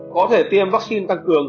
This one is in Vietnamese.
có thể tiêm vắc xin tăng cường